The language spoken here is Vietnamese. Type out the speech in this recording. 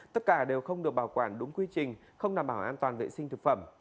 tất cả đều không được bảo quản đúng quy trình không đảm bảo an toàn vệ sinh thực phẩm